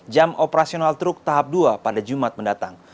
jam operasional truk tahap dua pada jumat mendatang